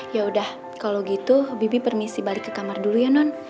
yaudah kalau gitu bibih permisi balik ke kamar dulu ya non